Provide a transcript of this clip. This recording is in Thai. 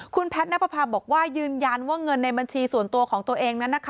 คุณแพทย์นับประพาบอกว่ายืนยันว่าเงินในบัญชีส่วนตัวของตัวเองนั้นนะคะ